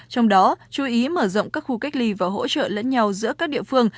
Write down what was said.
trong đó chú ý mở rộng các khu cách ly và hỗ trợ lẫn nhau giữa các địa phương